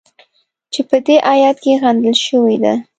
چې په دې ایت کې غندل شوې ده.